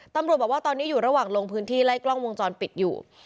ตำรวจบอกว่าตอนนี้อยู่ระหว่างลงพื้นที่ไล่กล้องวงจรปิดอยู่